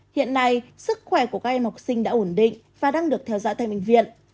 hiện nay sức khỏe của các em học sinh đã ổn định và đang được theo dõi tại bệnh viện